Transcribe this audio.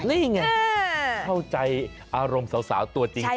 เนี่ยเนี่ยอือเข้าใจอารมณ์สาวตัวจริง